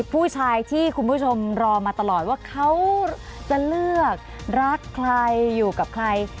ผู้ชายที่คุณผู้ชมรอมาตลอดว่าเขาจะเลือกรักใครอยู่กับใคร